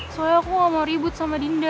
soalnya aku gak mau ribut sama dinda